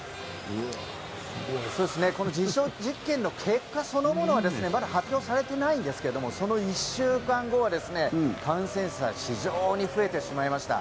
この実証実験の結果そのものはまだ発表されてないんですけれどその１週間後は感染者非常に増えてしまいました。